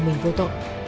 mình vô tội